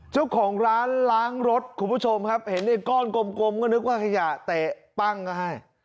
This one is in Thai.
เจ้าของร้านล้างรถคุณผู้ชมครับเห็นไอ้ก้อนกลมก็นึกว่าขยะเตะปั้งก็ให้